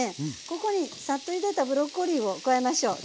ここにサッとゆでたブロッコリーを加えましょう。